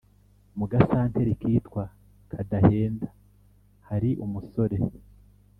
mu gasanteri kitwa Kadahenda hari umusore